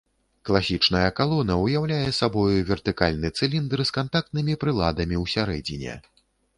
Класічная калона ўяўляе сабою вертыкальны цыліндр з кантактнымі прыладамі ўсярэдзіне.